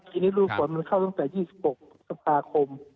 ทีนี้ดูฝนมันเข้าตั้งแต่๒๖สัปดาห์คม